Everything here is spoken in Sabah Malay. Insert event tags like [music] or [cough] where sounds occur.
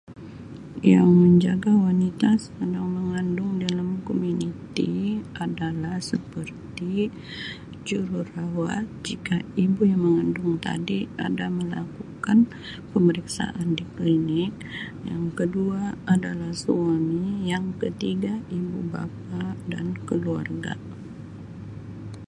Yang menjaga wanita s-yang mengandung dalam komuniti adalah seperti [noise] jururawat jika ibu yang mengandung tadi ada melakukan [noise] pemeriksaan di klinik, [noise] yang kedua adalah suami, yang ketiga adalah ibu bapa dan keluarga.